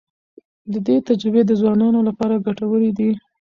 د ده تجربې د ځوانانو لپاره ګټورې دي.